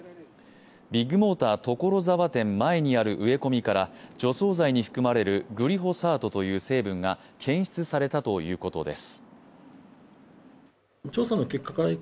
ビッグモーター所沢店前にある植え込みから、除草剤に含まれるグリホサートという成分が検出されたということです。